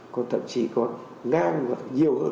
còn thậm chí còn ngang và nhiều hơn